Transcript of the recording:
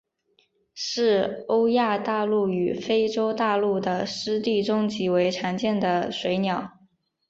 是欧亚大陆与非洲大陆的湿地中极为常见的水鸟。